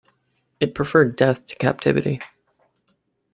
It preferred death to captivity.